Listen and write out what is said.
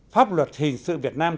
pháp luật hình sự việt nam